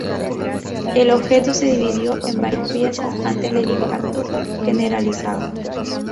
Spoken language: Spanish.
El objeto se dividió en varias piezas antes del impacto generalizado.